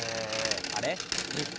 あれ？